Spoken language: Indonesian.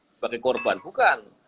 sebagai korban bukan